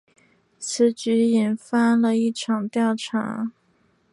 此举引发了一场调查。